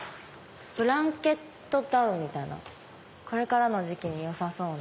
ブランケットダウンみたいなこれからの時期によさそうな。